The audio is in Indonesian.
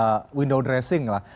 melakukan juga window dressing lah